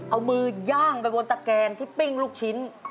เอามือย่างไปบนตะแกงที่ปิ้งลูกชิ้น